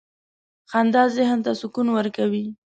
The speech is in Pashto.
• خندا ذهن ته سکون ورکوي.